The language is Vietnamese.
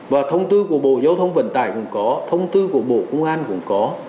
và thông tư của bộ giao thông vận tải cũng có thông tư của bộ công an cũng có